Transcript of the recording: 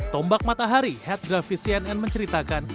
tombak matahari head grafis cnn menceritakan